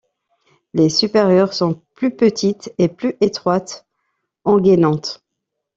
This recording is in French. Les supérieures sont plus petites et plus étroites, engainantes.